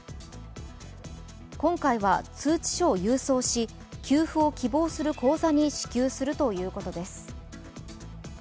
今回は、通知書を郵送し給付を希望する口座に支給するということです。